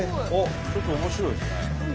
ちょっと面白いですね。